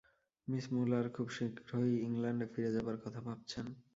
Miss Muller খুব শীঘ্রই ইংলণ্ডে ফিরে যাবার কথা ভাবছেন।